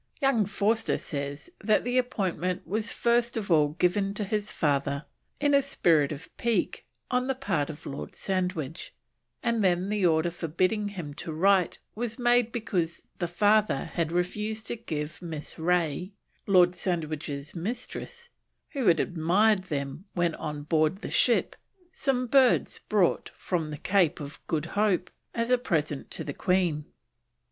Young Forster says that the appointment was first of all given to his father in a spirit of pique on the part of Lord Sandwich, and then the order forbidding him to write was made because the father had refused to give Miss Ray, Lord Sandwich's mistress, who had admired them when on board the ship, some birds brought home from the Cape of Good Hope as a present to the Queen.